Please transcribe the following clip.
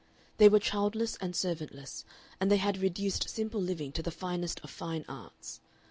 They were childless and servantless, and they had reduced simple living to the finest of fine arts.